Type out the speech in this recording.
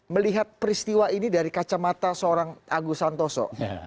melihat peristiwa ini dari kacamata seorang agus santoso